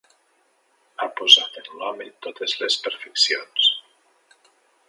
Ha posat en l'home totes les perfeccions.